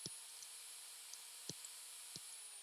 کچالو سره مالګه خوند زیاتوي